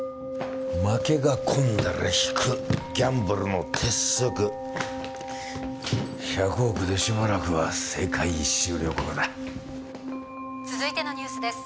負けが込んだら引くギャンブルの鉄則１００億でしばらくは世界一周旅行だ続いてのニュースです